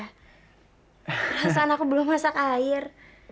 perasaan aku belum masak air